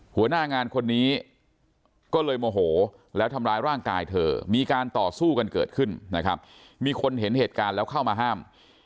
หัวหน้างานคนนี้ก็เลยโมโหแล้วทำร้ายร่างกายเธอมีการต่อสู้กันเกิดขึ้นนะครับมีคนเห็นเหตุการณ์แล้วเข้ามาห้าม